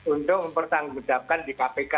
untuk mempertanggungjawabkan di kpk